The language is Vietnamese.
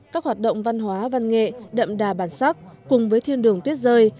các hoạt động văn hóa văn nghệ đậm đà bản sắc cùng với thiên đường tuyết rơi